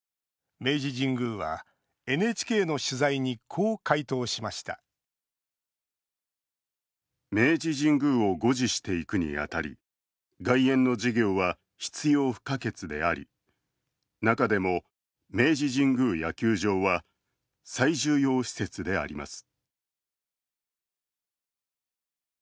明治神宮はＮＨＫの取材にこう回答しました「明治神宮を護持していくにあたり外苑の事業は必要不可欠であり中でも、明治神宮野球場は最重要施設であります」。